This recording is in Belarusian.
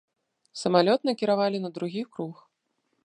Самалёт накіравалі на другі круг.